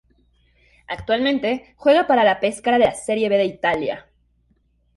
Actualmente juega para el Pescara de la Serie B de Italia.